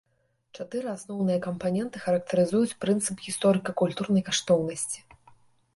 Чатыры асноўныя кампаненты характарызуюць прынцып гісторыка-культурнай каштоўнасці.